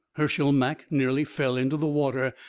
Hershel Mak nearly fell into the water.